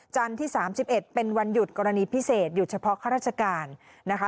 ที่๓๑เป็นวันหยุดกรณีพิเศษหยุดเฉพาะข้าราชการนะคะ